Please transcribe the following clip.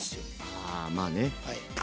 ああまあね。